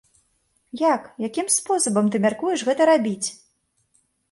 Як, якім спосабам ты мяркуеш гэта рабіць?